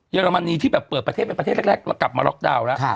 อรมนีที่แบบเปิดประเทศเป็นประเทศแรกแล้วกลับมาล็อกดาวน์แล้ว